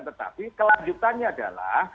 tetapi kelanjutannya adalah